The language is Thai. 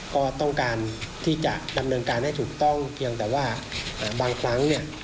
ก็ต้องการที่จะดำเนินการให้ถูกต้องเพียงแต่ว่าบางครั้งเนี่ย